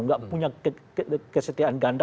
nggak punya kesetiaan ganda